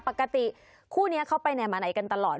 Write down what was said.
ปกติคู่นี้เขาไปแหน่งมาไหนกันตลอด